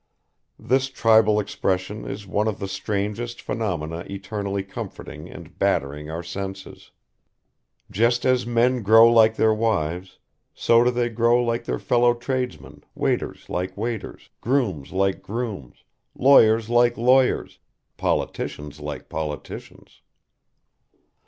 This tribal expression is one of the strangest phenomena eternally comforting and battering our senses. Just as men grow like their wives, so do they grow like their fellow tradesmen, waiters like waiters, grooms like grooms, lawyers like lawyers, politicians like politicians.